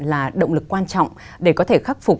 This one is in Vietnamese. là động lực quan trọng để có thể khắc phục